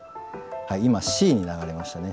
今Ｃに流れましたね。